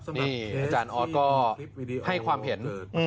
นี่อาจารย์ออสก็ให้ความเห็น